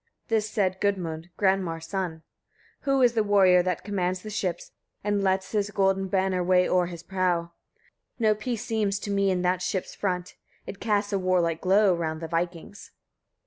This said Gudmund, Granmar's son: 17. Who is the warrior that commands the ships, and lets his golden banner wave o'er his prow? No peace seems to me in that ship's front; it casts a warlike glow around the vikings.